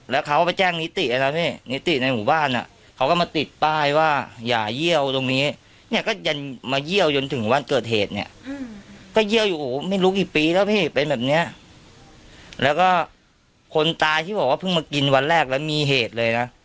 แล้าก็คนตายซึ่งบอกว่าเพิ่งมากินวันแรกแล้วมีเหตุเลยนะ